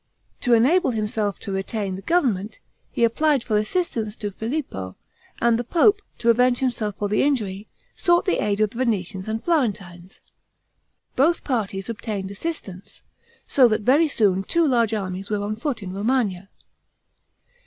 To enable himself to retain the government, he applied for assistance to Filippo; and the pope, to avenge himself for the injury, sought the aid of the Venetians and Florentines. Both parties obtained assistance, so that very soon two large armies were on foot in Romagna.